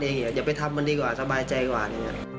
เศียรเวลามาทะเลาะกัน